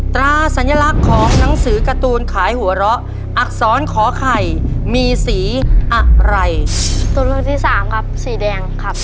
ตัวเลือกที่๓ครับสีแดงครับ